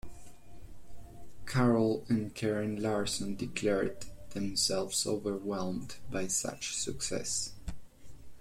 Carl and Karin Larsson declared themselves overwhelmed by such success.